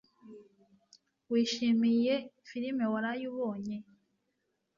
Wishimiye firime waraye ubonye?